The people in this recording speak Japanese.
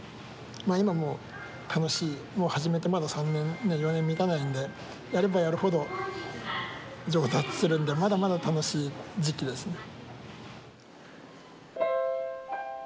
まあ今も楽しい始めてまだ３年４年に満たないんでやればやるほど上達するんでまだまだ楽しい時期です。